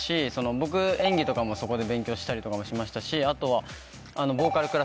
僕演技とかもそこで勉強したりしましたしあとはボーカルクラスもあったり。